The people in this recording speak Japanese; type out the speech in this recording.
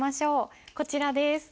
こちらです。